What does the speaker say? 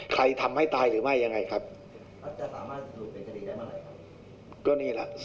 ใครทำให้ตายหรือไม่ยังไงครับจะสามารถดูเป็นทีได้เมื่อไหร่ครับ